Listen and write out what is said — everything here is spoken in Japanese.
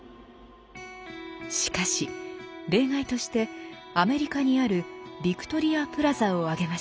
しかし例外としてアメリカにある「ヴィクトリア・プラザ」を挙げました。